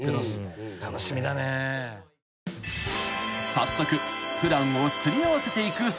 ［早速］